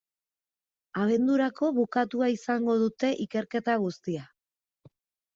Abendurako bukatua izango dute ikerketa guztia.